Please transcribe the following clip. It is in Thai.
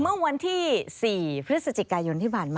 เมื่อวันที่๔พฤศจิกายนที่ผ่านมา